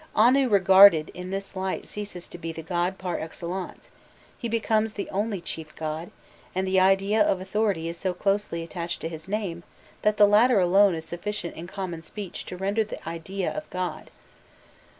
Anu regarded in this light ceases to be the god par excellence: he becomes the only chief god, and the idea of authority is so closely attached to his name that the latter alone is sufficient in common speech to render the idea of God.